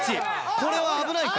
これは危ないか？